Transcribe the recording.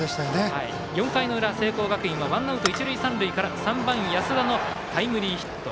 ４回の裏、聖光学院はワンアウト一塁三塁から３番安田のタイムリーヒット。